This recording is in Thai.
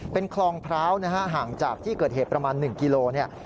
เป็นคลองพร้าวนะฮะห่างจากที่เกิดเหตุประมาณ๑กิโลเนี่ย